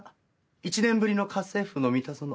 １年ぶりの『家政夫のミタゾノ』。